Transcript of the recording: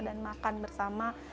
dan makan bersama